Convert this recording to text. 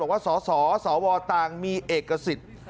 บอกว่าสสสวตมีเอกสิทธิ์